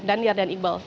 dania dan ibal